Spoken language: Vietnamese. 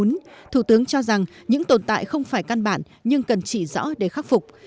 tuy nhiên thủ tướng cho rằng những tồn tại không phải căn bản nhưng cần chỉ rõ để khắc phục